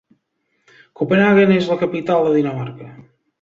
Copenhaguen és la capital de Dinamarca